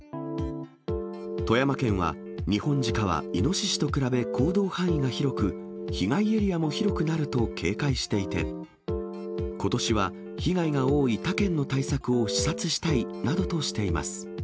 富山県は、ニホンジカはイノシシと比べ行動範囲が広く、被害エリアも広くなると警戒していて、ことしは被害が多い他県の対策を視察したいなどとしています。